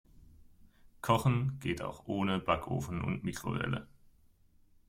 Kochen geht auch ohne Backofen und Mikrowelle.